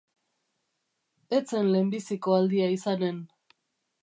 Ez zen lehenbiziko aldia izanen.